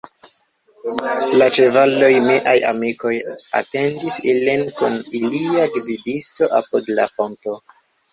La ĉevaloj de miaj amikoj atendis ilin kun ilia gvidisto apud la fonto.